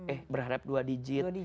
eh berharap dua digit